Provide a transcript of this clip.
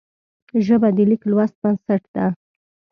ژبه د لیک لوست بنسټ ده